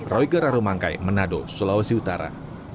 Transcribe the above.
roy geraru mangkai manado sulawesi utara